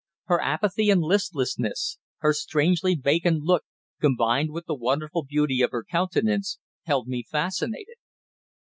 Her apathy and listlessness, her strangely vacant look, combined with the wonderful beauty of her countenance, held me fascinated.